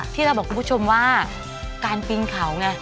ที่เราบอกคุณผู้ชมว่าการปีนเขาไง